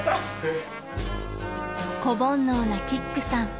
［子煩悩なキックさん］